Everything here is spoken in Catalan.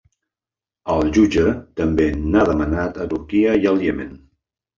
El jutge també n’ha demanat a Turquia i al Iemen.